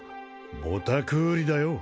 ボタクーリだよ